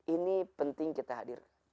ini penting kita hadir